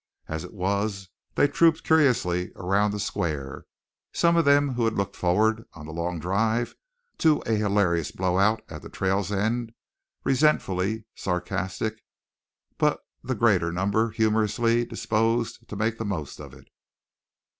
As it was, they trooped curiously around the square, some of them who had looked forward on the long drive to a hilarious blowout at the trail's end resentfully sarcastic, but the greater number humorously disposed to make the most of it.